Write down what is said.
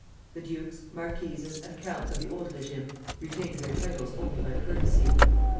The dukes, marquises, and counts of the old régime retained their titles only by courtesy.